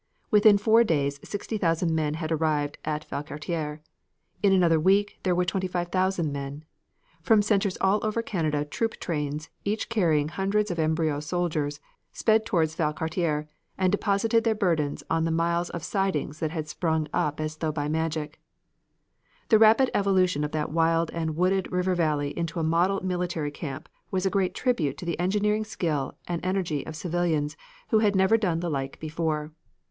Within four days 6,000 men had arrived at Valcartier; in another week there were 25,000 men. From centers all over Canada troop trains, each carrying hundreds of embryo soldiers, sped towards Valcartier and deposited their burdens on the miles of sidings that had sprung up as though by magic. The rapid evolution of that wild and wooded river valley into a model military camp was a great tribute to the engineering skill and energy of civilians who had never done the like before.